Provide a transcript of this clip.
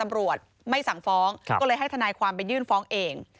ตำรวจไม่สั่งฟ้องก็เลยให้ทนายความไปยื่นฟ้องเอง